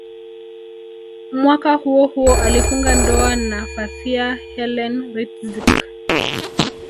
Mwaka huohuo alifunga ndoa na Fathia Helen Ritzk